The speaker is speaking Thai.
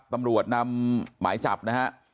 ตำรวจนำหมายจับนะฮะ